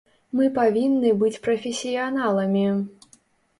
Мы павінны быць прафесіяналамі.